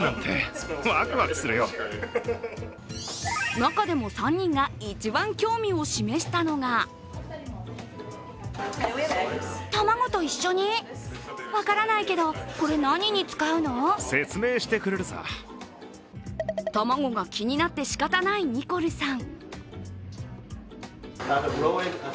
中でも３人が一番興味を示したのが卵が気になってしかたないニコルさん。